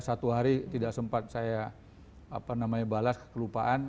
satu hari tidak sempat saya balas kekelupaan